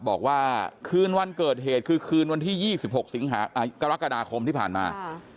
บอกว่าคืนวันเกิดเหตุคือคืนวันที่๒๖สิงหากรกฎาคมที่ผ่านมา